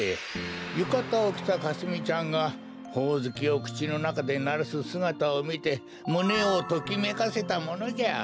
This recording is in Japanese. ゆかたをきたかすみちゃんがほおずきをくちのなかでならすすがたをみてむねをときめかせたものじゃ。